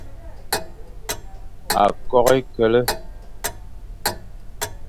Akok h e kele,